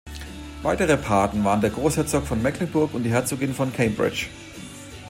Weitere Paten waren der Großherzog von Mecklenburg und die Herzogin von Cambridge.